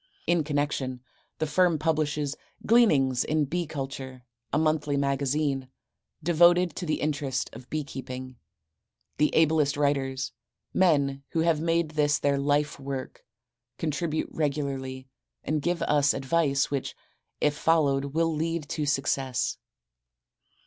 In connection, the firm publishes, "Gleanings in Bee Culture," a monthly magazine, devoted to the interest of bee keeping. The ablest writers, men who have made this their life work, contribute regularly and give us advice which, if followed will lead to success.